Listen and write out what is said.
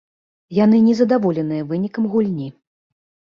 Яны незадаволеныя вынікам гульні.